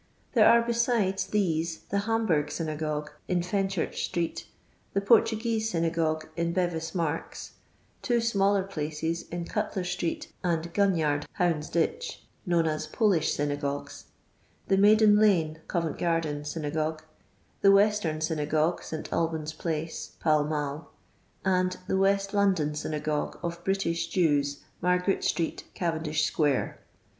There are besides these the Hamburg STnagogue, in Fenchurch street ; the Portuguese Synagogue, in Bevis niarks ; two smaller places, in Cutler street and Gun yard, Houndsditch, known as Polish Synagogues ; the Maiden hine (Covent gar den), Synagogue; the Western Synagogue, St Alban's place, Poll mall; and the West Lon don S)'nagngne of British Jews, Margaret street, Cavendish 8qu.ire.